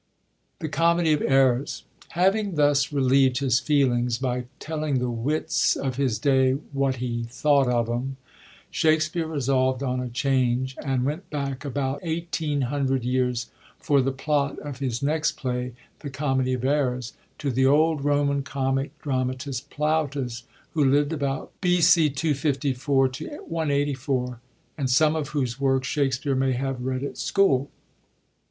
The Comedy of Erbobs.— Having thus relievd his feelings by telling the wits of his day what he thought of 'em, Shakspere resolvd on a change, and went back about 1,800 years for the plot of his next play, The Comedy of Errors, to the old Roman comic dramatist Flautus, who livd about b.g. 254 to 184, and some of whose works Shakspere may have read at school.